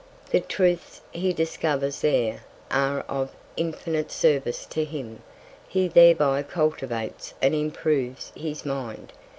The Truths he discovers there, are of infinite Service to him. He thereby cultivates and improves his Mind.